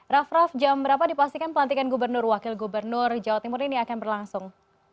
raff raff jam berapa dipastikan pelantikan gubernur wakil gubernur jawa timur ini akan berlangsung